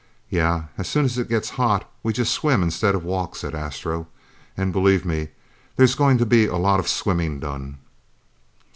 "Yeah, as soon as it gets hot, we just swim instead of walk," said Astro. "And, believe me, there's going to be a lot of swimming done!"